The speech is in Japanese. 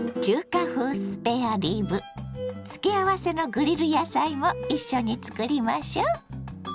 付け合わせのグリル野菜も一緒に作りましょ。